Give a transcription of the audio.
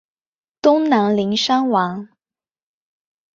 东南邻山王。